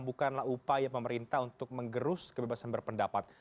bukanlah upaya pemerintah untuk menggerus kebebasan berpendapat